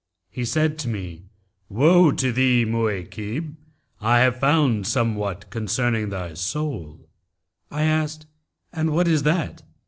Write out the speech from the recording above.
He said to me, 'Woe to thee Mu'aykib! I have found somewhat concerning thy soul.' I asked 'And what is that?'